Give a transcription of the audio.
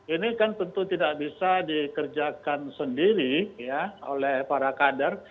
ini kan tentu tidak bisa dikerjakan sendiri oleh para kader